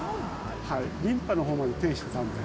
リンパのほうまで転移してたんで。